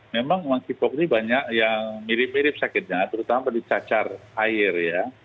memang monkey pop ini banyak yang mirip mirip sakitnya terutama penicacar air ya